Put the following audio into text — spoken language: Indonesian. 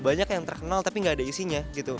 banyak yang terkenal tapi gak ada isinya gitu